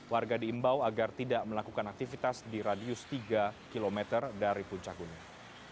warga diimbau agar tidak melakukan aktivitas di radius tiga km dari puncak gunung